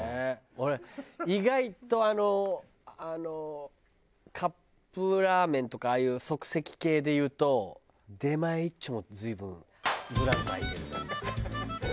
俺意外とあのカップラーメンとかああいう即席系で言うと出前一丁って随分ブランク空いてる。